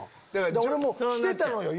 俺もしてたのよ